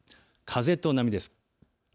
風と波です。